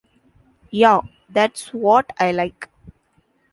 Yeah, that's what I like.